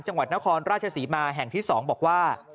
จังหวัดนครราชศรีมาแห่งที่๒บอกว่า